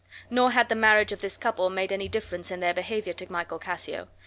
Nor had the marriage of this couple made any difference in their behavior to Michael Cassio.